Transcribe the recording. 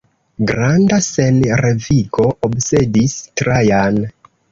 Granda senrevigo obsedis Trajan.